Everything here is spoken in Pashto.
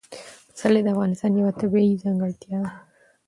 پسرلی د افغانستان یوه طبیعي ځانګړتیا ده.